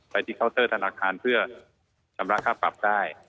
ไปที่เคาน์เตอร์ธนาคารเพื่อชำระค่าปรับได้